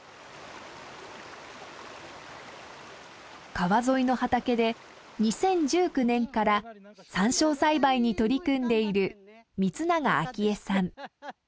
川沿いの畑で２０１９年からサンショウ栽培に取り組んでいる光永アキエさん。